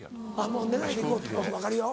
もう寝ないで行こうと分かるよ。